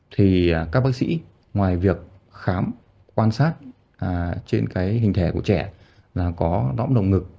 thì các bác sĩ ngoài việc khám quan sát trên cái hình thể của trẻ là có lõng ngực